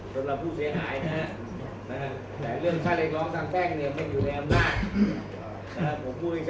ผมพูดให้ชัดเจนก่อน